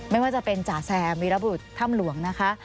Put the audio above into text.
ไม่ว่าจะเป็นจ๋าแซมวิรบุตรถ้ำหลวงนะคะ